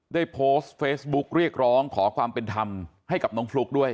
ได้โพสต์เฟซบุ๊กเรียกร้องขอความเป็นธรรมให้กับน้องฟลุ๊กด้วย